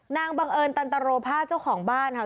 บังเอิญตันตรโรภาเจ้าของบ้านค่ะ